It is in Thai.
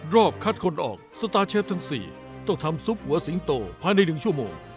รอบคัดคนออกสตาร์เชฟทั้ง๔ต้องทำซุปหัวสิงโตภายใน๑ชั่วโมง